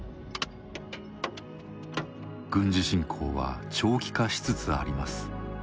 軍事侵攻は長期化しつつあります。